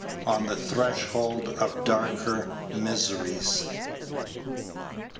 ON THE THRESHOLD OF DARKER MISERIES.